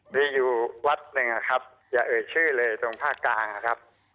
มีอยู่วัดหนึ่งนะครับอย่าเอ่ยชื่อเลยตรงภาคกลางนะครับ